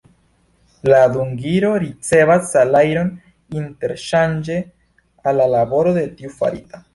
La dungito ricevas salajron interŝanĝe al la laboro de tiu farita.